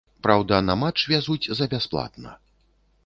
Праўда, на матч вязуць за бясплатна.